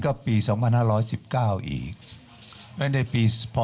ขอบพระคุณนะครับ